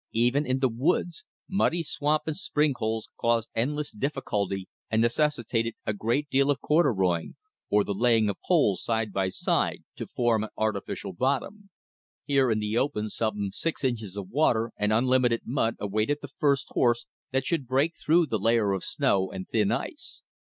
Even in the woods, muddy swamp and spring holes caused endless difficulty and necessitated a great deal of "corduroying," or the laying of poles side by side to form an artificial bottom. Here in the open some six inches of water and unlimited mud awaited the first horse that should break through the layer of snow and thin ice.